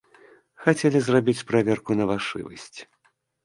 Хацелі зрабіць праверку на вашывасць.